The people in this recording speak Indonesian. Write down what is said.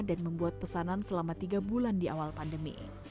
dan membuat pesanan selama tiga bulan di awal pandemi